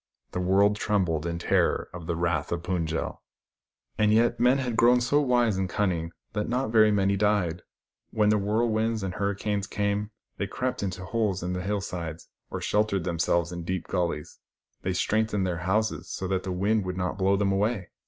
The world trembled in the terror of the wrath of Fund j el. And yet, men had grown so wise and cunning that not very many died. "WTien the whirlwinds and hurricanes came, they crept into holes in the hill sides, or sheltered themselves in deep gullies. They strengthened their houses, so that the wind should not blow them away.